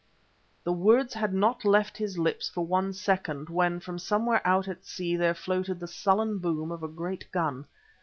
The words had not left his lips for one second when from somewhere out at sea there floated the sullen boom of a great gun.